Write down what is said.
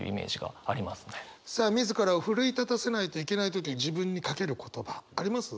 さあ自らを奮い立たせないといけない時自分にかける言葉あります？